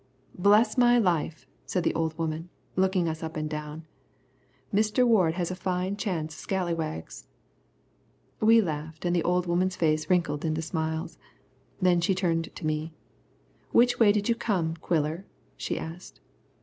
"Bless my life," said the old woman, looking us up and down, "Mister Ward has a fine chance of scalawags." We laughed and the old woman's face wrinkled into smiles. Then she turned to me. "Which way did you come, Quiller?" she asked.